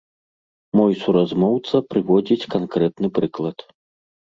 Мой суразмоўца прыводзіць канкрэтны прыклад.